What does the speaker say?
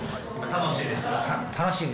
楽しいです。